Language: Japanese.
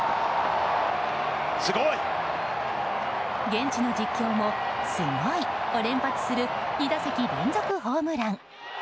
現地の実況もすごいを連発する２打席連続ホームラン。